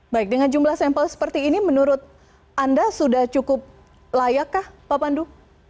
baik dengan jumlah sampel seperti ini menurut anda sudah cukup layak kah pak pandu